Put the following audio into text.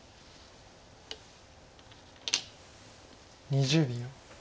２０秒。